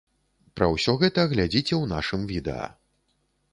Пра ўсё гэта глядзіце ў нашым відэа.